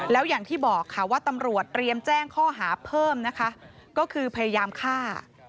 แล้วอย่างที่บอกค่ะว่าตำรวจเตรียมแจ้งข้อหาเพิ่มนะคะก็คือพยายามฆ่า